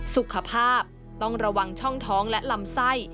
สุขภาพต้องระวังช่องท้องและลำไส้